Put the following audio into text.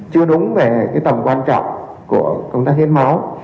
chưa đúng về cái tầm quan trọng của công tác hiến máu